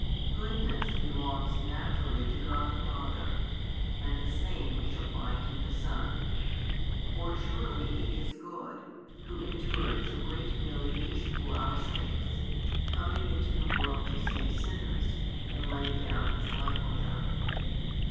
Goodness belongs naturally to God the Father, and the same we shall find in the Son. For surely He is good, Who endured so great humiliation for our sakes, coming into the world to save sinners, and laying down His life for them.